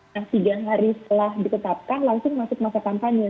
nah tiga hari setelah ditetapkan langsung masuk masa kampanye